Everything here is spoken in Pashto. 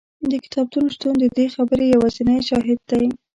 د کتابتون شتون د دې خبرې یوازینی شاهد دی.